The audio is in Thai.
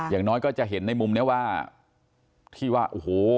อย่างน้อยก็จะเห็นในมุมนี้ว่าที่ว่าโอ้โห